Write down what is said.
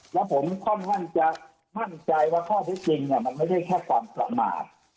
แล้วผมค่อนข้างจะมั่นใจว่าข้อที่จริงมันไม่ใช่แค่ความประมาท